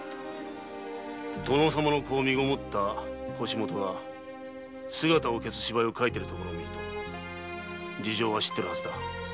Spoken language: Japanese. “殿様の子を身籠った腰元が姿を消す”芝居を書いているところをみると事情は知ってるはずだ。